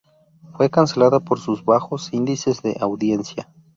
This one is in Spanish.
Fue cancelada por sus bajos índices de audiencia.